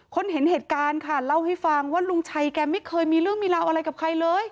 เห็นเหตุการณ์ค่ะเล่าให้ฟังว่าลุงชัยแกไม่เคยมีเรื่องมีราวอะไรกับใครเลย